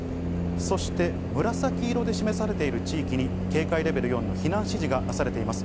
そして紫色で示されている地域に警戒レベル４の避難指示が出されています。